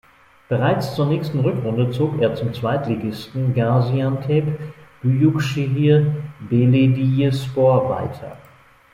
Bereits zur nächsten Rückrunde zog er zum Zweitligisten Gaziantep Büyükşehir Belediyespor weiter.